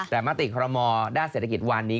แต่มติคอรมอด้านเศรษฐกิจวันนี้